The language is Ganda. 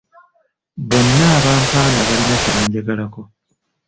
Bonna abampaana balina kye banjagalako.